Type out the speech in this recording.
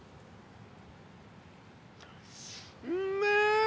うんめえ。